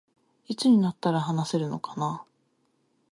いつになったら話せるのかな